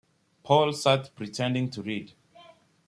Paul sat pretending to read.